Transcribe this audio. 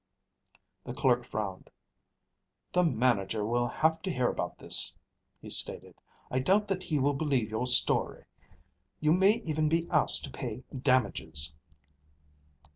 The clerk frowned. "The manager will have to hear about this," he stated. "I doubt that he will believe your story. You may even be asked to pay damages."